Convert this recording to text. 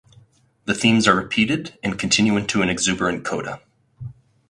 The themes are repeated and continue into an exuberant coda.